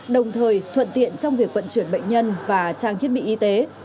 đồng thời thuận tiện trong việc vận chuyển bệnh nhân và trang thiết bị y tế